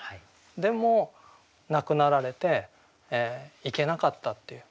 でも亡くなられて行けなかったっていう。